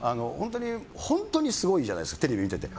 本当にすごいじゃないですかテレビ見てて。